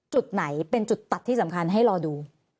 จุดไหนเป็นจุดตัดที่สำคัญให้รอดู